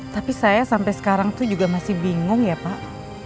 tapi saya sampai sekarang tuh juga masih bingung ya pak